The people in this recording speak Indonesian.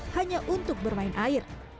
hanya untuk bermain air